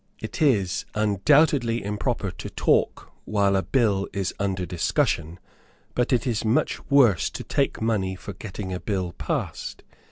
"It is undoubtedly improper to talk while a bill is under discussion; but it is much worse to take money for getting a bill passed.